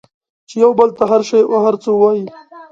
چې یو بل ته هر شی او هر څه وایئ